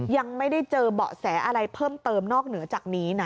ยังไม่ได้เจอเบาะแสอะไรเพิ่มเติมนอกเหนือจากนี้นะ